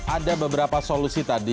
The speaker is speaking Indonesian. ada beberapa solusi tadi